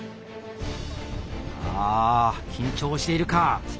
ああ緊張しているか？